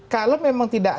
kalau memang tidak